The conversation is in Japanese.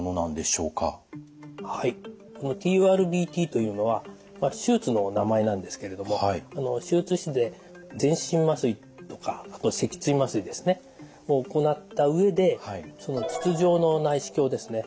ＴＵＲＢＴというのは手術の名前なんですけれども手術室で全身麻酔とか脊椎麻酔ですね。を行った上で筒状の内視鏡ですね。